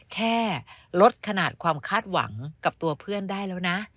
แค่ลดขนาดความคาดหวังกับตัวเพื่อนได้แล้วนะ